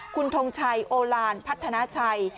คุณทงชัยโอลานพัฒนาชัย